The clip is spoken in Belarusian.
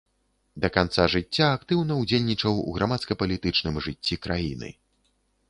Да канца жыцця актыўна ўдзельнічаў у грамадска-палітычным жыцці краіны.